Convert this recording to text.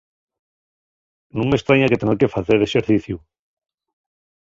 Nun m'estraña que tenga de facer exerciciu.